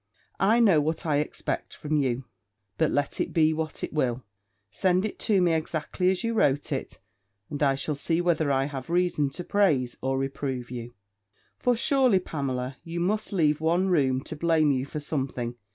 I know what I expect from you. But let it be what it will, send it to me exactly as you wrote it; and I shall see whether I have reason to praise or reprove you. For surely, Pamela, you must leave one room to blame you for something.